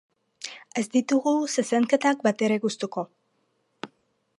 Ez ditugu zezenketak batere gustuko.